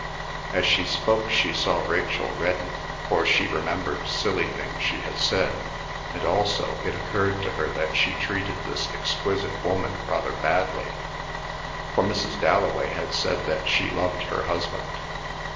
As she spoke she saw Rachel redden; for she remembered silly things she had said, and also, it occurred to her that she treated this exquisite woman rather badly, for Mrs. Dalloway had said that she loved her husband.